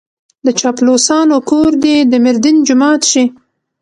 د چاپلوسانو کور دې د ميردين جومات شي.